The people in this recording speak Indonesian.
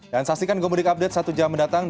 dan saksikan gomudik update satu jam mendatang